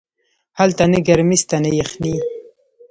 هلته نه گرمي سته نه يخني.